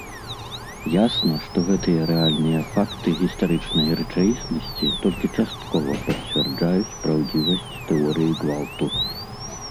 Ясна, што гэтыя рэальныя факты гістарычнай рэчаіснасці толькі часткова пацвярджаюць праўдзівасць тэорыі гвалту.